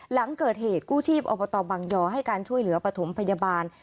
หลังเกิดเหตุกู้ชีพอบตบังยอให้การช่วยเหลือปฐมพยาบาล